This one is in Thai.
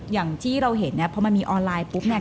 อย่างที่เราเห็นเนี่ยพอมันมีออนไลน์ปุ๊บเนี่ย